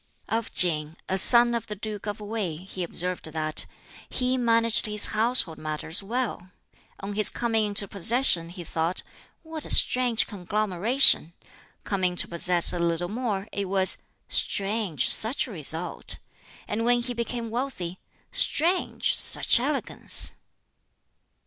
Of King, a son of the Duke of Wei, he observed that "he managed his household matters well. On his coming into possession, he thought, 'What a strange conglomeration!' Coming to possess a little more, it was, 'Strange, such a result!' And when he became wealthy, 'Strange, such elegance!'"